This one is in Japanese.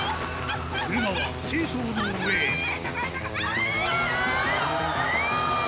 車はシーソーの上へ高い高い。